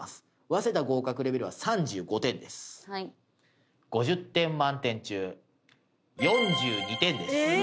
早稲田合格レベルは３５点ですはい５０点満点中えっ？